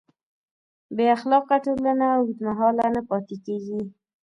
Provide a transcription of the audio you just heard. بېاخلاقه ټولنه اوږدمهاله نه پاتې کېږي.